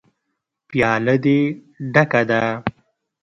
_پياله دې ډکه ده.